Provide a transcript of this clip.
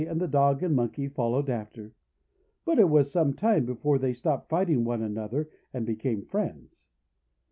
And the Dog and Monkey followed after. But it was some time before they stopped fighting one another and became friends.